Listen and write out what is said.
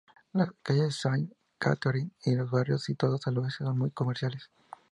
La calle Sainte Catherine y los barrios situados al Oeste son muy comerciales.